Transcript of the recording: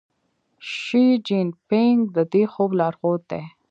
شي جین پینګ د دې خوب لارښود دی.